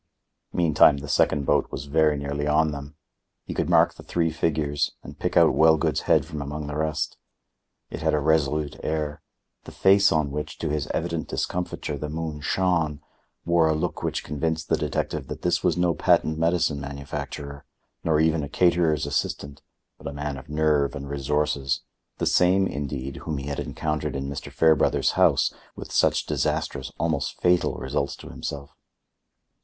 Meantime the second boat was very nearly on them. He could mark the three figures and pick out Wellgood's head from among the rest. It had a resolute air; the face on which, to his evident discomfiture, the moon shone, wore a look which convinced the detective that this was no patent medicine manufacturer, nor even a caterer's assistant, but a man of nerve and resources, the same, indeed, whom he had encountered in Mr. Fairbrother's house, with such disastrous, almost fatal, results to himself.